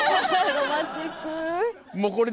ロマンチック！